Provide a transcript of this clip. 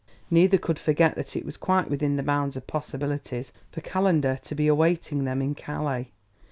Neither could forget that it was quite within the bounds of possibilities for Calendar to be awaiting them in Calais.